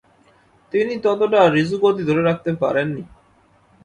তিনি ততটা ঋজুগতি ধরে রাখতে পারেননি।